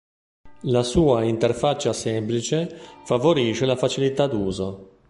La sua interfaccia semplice favorisce la facilità d'uso.